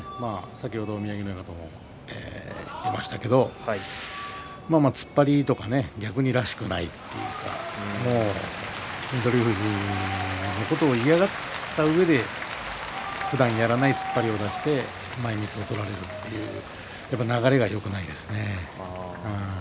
先ほど宮城野親方も言っていましたが突っ張りとからしくないというか翠富士のことを嫌がったうえでふだんやらない突っ張りを出して前みつを取られるという流れがよくないですね。